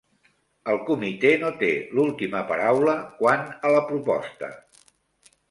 El comitè no té l'última paraula quant a la proposta.